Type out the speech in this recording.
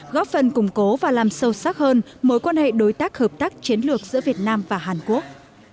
góp phần củng cố và làm sâu sắc hơn mối quan hệ đối tác hợp tác chiến lược giữa việt nam và hàn quốc